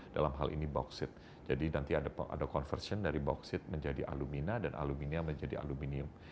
dalam hal ini bauksit jadi nanti ada conversion dari bauksit menjadi alumina dan aluminia menjadi aluminium